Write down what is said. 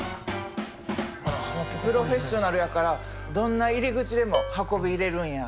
プロフェッショナルやからどんな入り口でも運び入れるんや。